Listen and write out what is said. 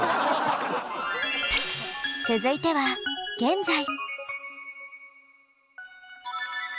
続いては現在。